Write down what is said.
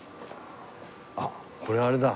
あっこれあれだ。